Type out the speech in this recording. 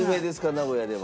名古屋では。